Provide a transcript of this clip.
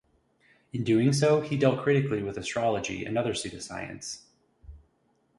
In doing so he dealt critically with astrology and other pseudoscience.